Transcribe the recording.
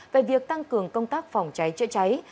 về việc tăng cường công tác phòng cháy chữa cháy